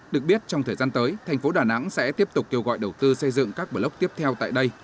được biết trong thời gian tới thành phố đà nẵng sẽ tiếp tục kêu gọi đầu tư xây dựng các block tiếp theo tại đây